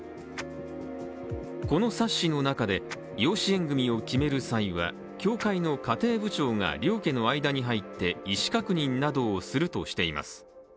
この冊子の中で養子縁組を決める際は教会の家庭部長が両家の間に入って意思確認などをするとしています。